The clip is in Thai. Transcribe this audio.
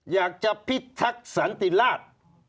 อยากจะพิทักษ์สันติราช